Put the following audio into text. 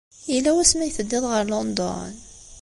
Yella wasmi ay teddiḍ ɣer London?